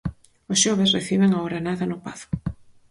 O xoves reciben ao Granada no Pazo.